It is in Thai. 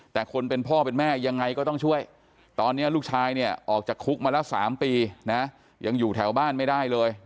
แต่คนเป็นพ่อเป็นแม่ยังไงก็ต้องช่วยตอนนี้ลูกชายเนี่ยออกจากคุกมาแล้ว๓ปีนะยังอยู่แถวบ้านไม่ได้เลย